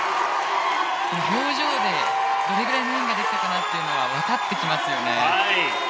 表情でどれぐらいの演技ができたかなというのが分かってきますよね。